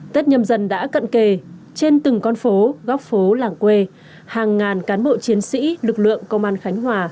tết nhân dân đã cận kề trên từng con phố góc phố làng quê hàng ngàn cán bộ chiến sĩ lực lượng công an khánh hòa